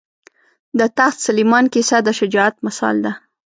د تخت سلیمان کیسه د شجاعت مثال ده.